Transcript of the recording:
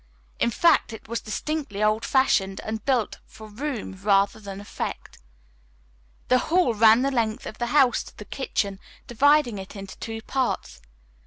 In fact, it was distinctly old fashioned and built for room rather than effect. The hall ran the length of the house to the kitchen, dividing it into two parts.